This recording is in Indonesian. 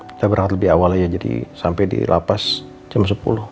kita berharap lebih awal aja jadi sampai di lapas jam sepuluh